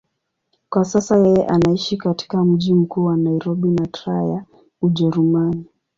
Kwa sasa yeye anaishi katika mji mkuu wa Nairobi na Trier, Ujerumani.